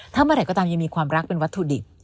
ถ้าเมื่อไหร่ก็ตามยังมีความรักเป็นวัตถุดิบ